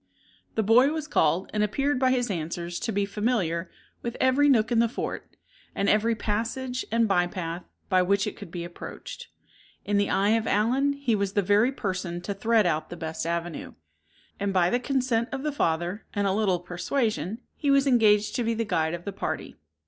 The boy was called, and appeared by his answers to be familiar with every nook in the fort, and every passage and by path by which it could be approached. In the eye of Allen, he was the very person to thread out the best avenue; and by the consent of the father, and a little persuasion, he was engaged to be the guide of the party.